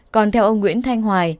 còn theo ông nguyễn thanh hoài